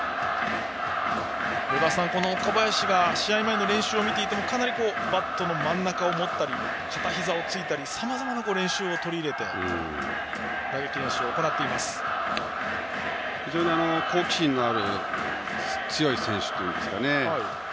与田さん、岡林が試合前の練習を見ていてもバットの真ん中を持ったり片ひざをついたりさまざまな練習を取り入れて非常に好奇心のある強い選手といいますか。